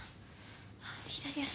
あっ左足。